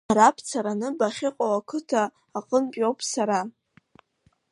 Бара бцараны бахьыҟоу ақыҭа аҟынтәиуп сара.